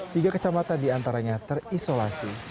tiga kecamatan di antaranya terisolasi